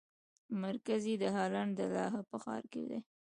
مرکز یې د هالنډ د لاهه په ښار کې دی.